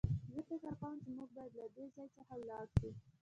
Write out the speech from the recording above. زه فکر کوم چې موږ بايد له دې ځای څخه ولاړ شو.